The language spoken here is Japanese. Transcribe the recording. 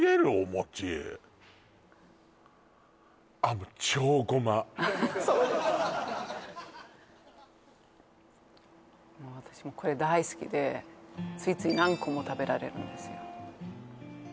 もうそうですもう私これ大好きでついつい何個も食べられるんですよ